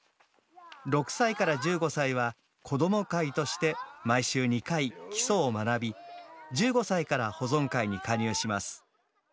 ６歳から１５歳は「子ども会」として毎週２回基礎を学び１５歳から保存会に加入します。